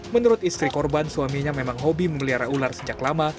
menurut istri korban suaminya memang hobi memelihara ular sejak lama